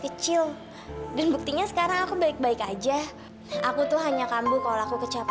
kita bisa panggil teknisi komputer kan